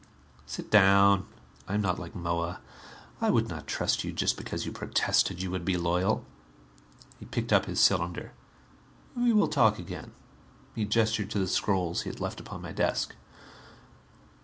"Sit down. I am not like Moa. I would not trust you just because you protested you would be loyal." He picked up his cylinder. "We will talk again." He gestured to the scrolls he had left upon my desk.